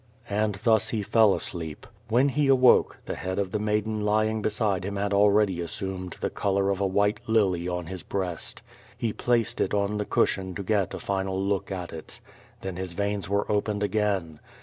And thus he fell asleep. When he awoke, the head of the maiden lying beside him had already assumed the color of a white lily on his breast. lie placed it on the cushion to get a final look at it. Then his veins were opened again.